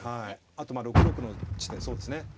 あと６六の地点そうですね